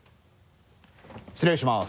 失礼します